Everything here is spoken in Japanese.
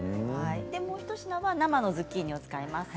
もう一品は生のズッキーニを使います。